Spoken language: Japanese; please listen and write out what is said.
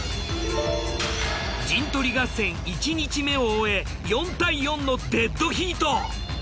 陣取り合戦１日目を終え４対４のデッドヒート。